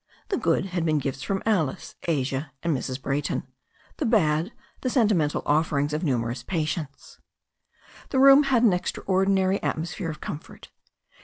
The good had been gifts from Alice, Asia and Mrs. Brayton; the bad, the sentimental offerings of numerous patients. The room had an extraordinary atmosphere of comfort.